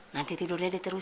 nanti tidurnya diterusin